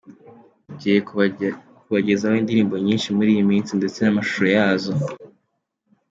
Ngiye kubagezaho indirimbo nyinshi muri iyi minsi ndetse n’amashusho yazo.